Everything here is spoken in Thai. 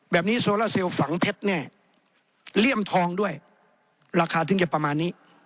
แบบนี้โซล่าเซลล์ฝังเพชรเนี่ยเลี่ยมทองด้วยราคาถึงเก็บประมาณนี้